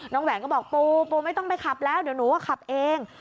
แหวนก็บอกปูปูไม่ต้องไปขับแล้วเดี๋ยวหนูขับเอง